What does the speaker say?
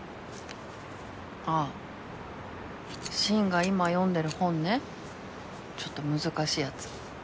あっ慎が今読んでる本ねちょっと難しいやつ。